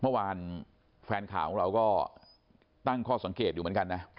เมื่อวานแฟนข่าวของเราก็ตั้งข้อสังเกตอยู่เหมือนกันนะ